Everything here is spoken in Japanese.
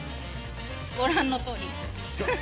ご覧のとおり。